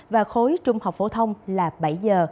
và khối trung học phổ thông là bảy h